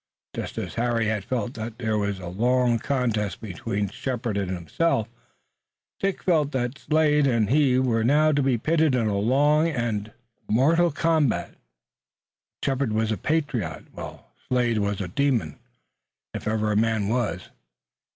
Just as Harry had felt that there was a long contest between Shepard and himself, Dick felt that Slade and he were now to be pitted in a long and mortal combat. But Shepard was a patriot, while Slade was a demon, if ever a man was.